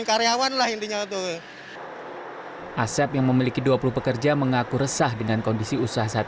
karyawan lah intinya tuh asep yang memiliki dua puluh pekerja mengaku resah dengan kondisi usaha saat